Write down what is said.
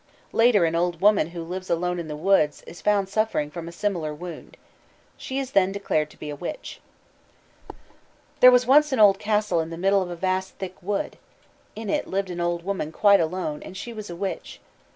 Later an old woman who lives alone in the woods is found suffering from a similar wound. She is then declared to be a witch. "There was once an old castle in the middle of a vast thick wood; in it lived an old woman quite alone, and she was a witch.